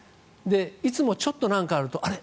いつもちょっと何かあるとあれ？